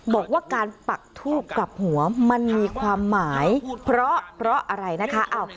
บอกว่าการปักทูบกลับหัวมันมีความหมายเพราะอะไรนะคะ